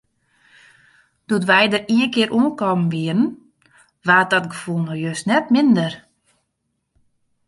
Doe't wy dêr ienkear oankommen wiene, waard dat gefoel no just net minder.